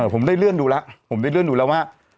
ผมได้เลื่อนดูแล้วผมได้เลื่อนดูแล้วว่า